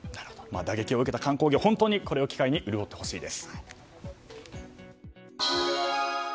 打撃を受けた観光業これを機会に潤ってほしいです。